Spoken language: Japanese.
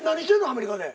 アメリカで。